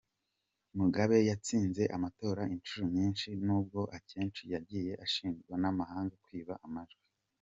Mugabe yatsinze amatora inshuro nyinshi, nubwo akenshi yagiye ashinjwa n’amahanga kwiba amajwi.